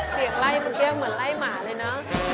เสียงไล่เปิ๊บเกรียวเหมือนไล่หมาเลยนะ